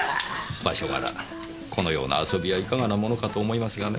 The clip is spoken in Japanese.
場所柄このような遊びはいかがなものかと思いますがね。